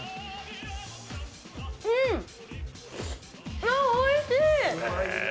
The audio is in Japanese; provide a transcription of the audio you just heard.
うん、おいしい！